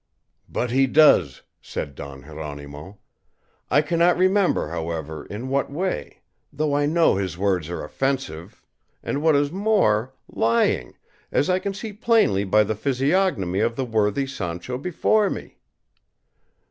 "But he does," said Don Jeronimo; "I cannot remember, however, in what way, though I know his words are offensive, and what is more, lying, as I can see plainly by the physiognomy of the worthy Sancho before me."